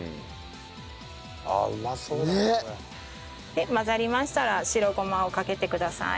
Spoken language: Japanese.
で混ざりましたら白ごまをかけてください。